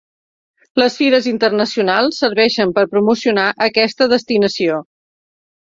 Les fires internacionals serveixen per promocionar aquesta destinació.